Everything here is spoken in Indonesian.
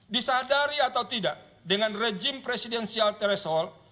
disadari atau tidak dengan rejim presidensial threshold